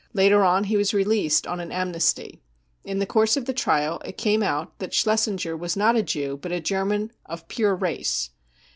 Later on he was released on an amnesty. In the course of the trial it came out that Schlesinger was not a Jew but a German ce of pure race.